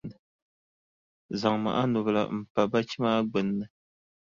Zaŋmi a nubila m-pa bachi maa gbunni.